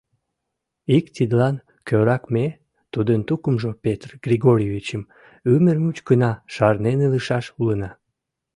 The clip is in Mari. Ик тидлан кӧрак ме, тудын тукымжо, Петр Григорьевичым ӱмыр мучкына шарнен илышаш улына.